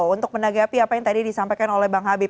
untuk menanggapi apa yang tadi disampaikan oleh bang habib